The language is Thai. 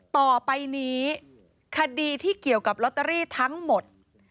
ต่อไปนี้คดีที่เกี่ยวกับลอตเตอรี่ทั้งหมด